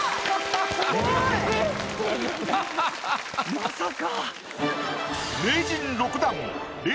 まさか。